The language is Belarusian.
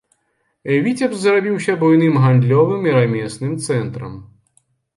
Віцебск зрабіўся буйным гандлёвым і рамесным цэнтрам.